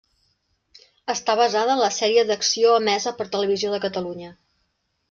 Està basada en la sèrie d'Acció emesa per Televisió de Catalunya.